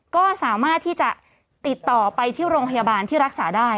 ก็สามารถที่จะติดต่อไปที่โรงพยาบาลที่รักษาได้